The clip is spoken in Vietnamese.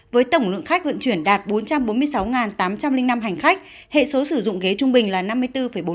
với tổng lượng khách vận chuyển đạt bốn trăm bốn mươi sáu tám trăm linh năm hành khách hệ số sử dụng ghế trung bình là năm mươi bốn bốn